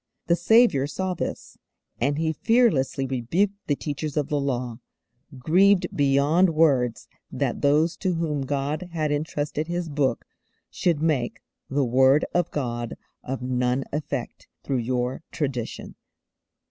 The Saviour saw this, and He fearlessly rebuked the teachers of the Law, grieved beyond words that those to whom God had entrusted His Book should make '_the Word of God of none effect through your tradition.